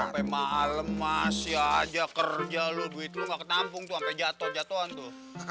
sampai malem masih aja kerja lu duit lu gak ketampung tuh sampai jatoh jatohan tuh